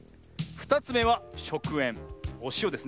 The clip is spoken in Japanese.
２つめはしょくえんおしおですね。